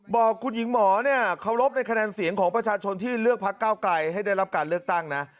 บอกคุณหญิงหมอเนี่ยเคารพในคะแนนเสียงของประชาชนที่เลือกพักเก้าไกลให้ได้รับการเลือกตั้งนะ